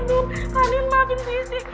kadung karin maafin sissy